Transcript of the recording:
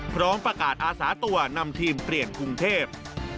พร้อมประกาศอาสาตัวนำทีมเปลี่ยนกรุงเทพ